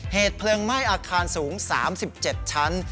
เหตุเพลิงไหม้อาคารสูง๓๗ชั้น